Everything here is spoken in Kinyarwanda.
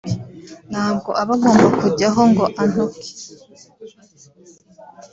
Ntabwo aba agomba kujyaho ngo antuke